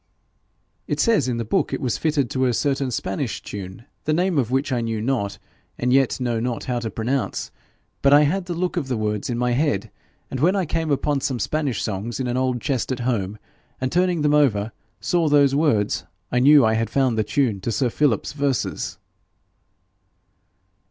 'It says in the book it was fitted to a certain Spanish tune, the name of which I knew not, and yet know not how to pronounce; but I had the look of the words in my head, and when I came upon some Spanish songs in an old chest at home, and, turning them over, saw those words, I knew I had found the tune to sir Philip's verses.'